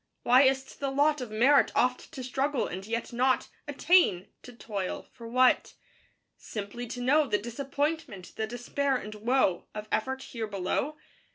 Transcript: Why is 't the lot Of merit oft to struggle and yet not Attain? to toil for what? Simply to know The disappointment, the despair, and woe Of effort here below?